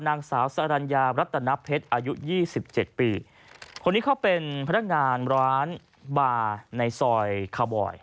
นางสาวสรรญารัตนเพชรอายุยี่สิบเจ็ดปีคนนี้เขาเป็นพนักงานร้านบาร์ในซอยคาบอย